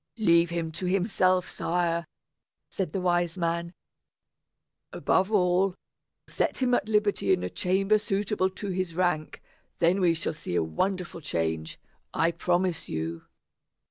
"Leave him to himself, sire," said the wise man. "Above all, set him at liberty in a chamber suitable to his rank. Then we shall see a wonderful change, I promise you."